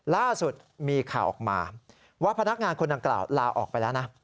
ล่าสุดมีข่าวออกมาว่าพนักงานคนดังกล่าวลาออกไปแล้วนะ